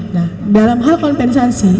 nah dalam hal kompensasi